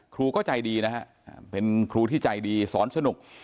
ครูก็ใจดีนะฮะเป็นครูที่ใจดีสอนสนุก